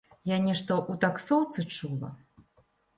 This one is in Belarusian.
Я нешта ў таксоўцы чула.